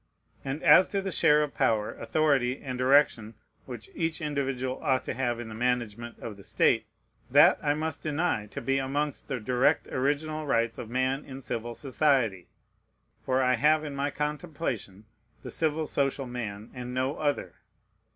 And as to the share of power, authority, and direction which each individual ought to have in the management of the state, that I must deny to be amongst the direct original rights of man in civil society; for I have in my contemplation the civil social man, and no other.